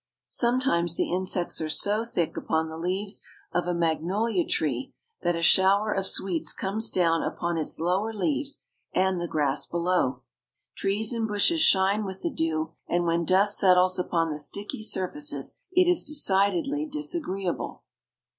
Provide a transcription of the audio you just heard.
Sometimes the insects are so thick upon the leaves of a magnolia tree that a shower of sweets comes down upon its lower leaves and the grass below. Trees and bushes shine with the dew, and when dust settles upon the sticky surfaces it is decidedly disagreeable.